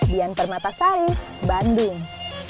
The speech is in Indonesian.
dian permatasari bandung